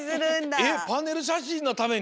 えっパネルしゃしんのために？